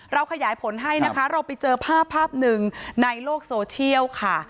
ขยายผลให้นะคะเราไปเจอภาพภาพหนึ่งในโลกโซเชียลค่ะ